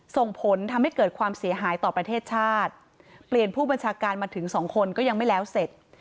ส่งผลทำให้เกิดความเสียหายต่อประเทศชาติเปลี่ยนผู้บัญชาการมาถึงสองคนก็ยังไม่แล้วเสร็จ